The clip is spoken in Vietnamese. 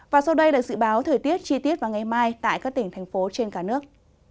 và sau đây là dự báo thời tiết chi tiết vào ngày mai tại các tỉnh thành phố trên cả nước